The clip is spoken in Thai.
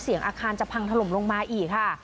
อาคารจะพังถล่มลงมาอีกค่ะ